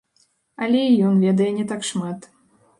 Але і ён ведае не так шмат.